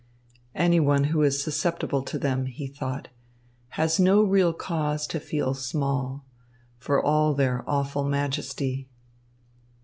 "Any one who is susceptible to them," he thought, "has no real cause to feel small, for all their awful majesty."